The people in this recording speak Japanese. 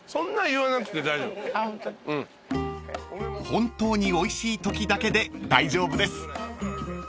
［本当においしいときだけで大丈夫です］